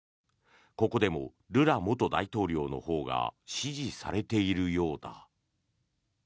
ここでもルラ元大統領のほうが支持されているようだ。